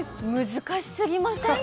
難しすぎません？